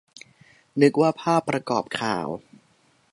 นึกว่าภาพประกอบข่าว